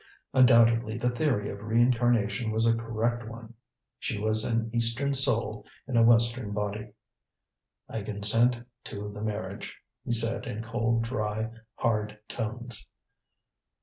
Undoubtedly the theory of reincarnation was a correct one. She was an Eastern soul in a Western body. "I consent to the marriage," he said in cold, dry hard tones.